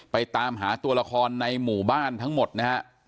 ตามหาตัวละครในหมู่บ้านทั้งหมดนะฮะ